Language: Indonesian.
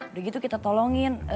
udah gitu kita tolongin